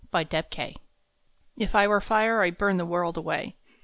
IF If I were fire I d burn the world away.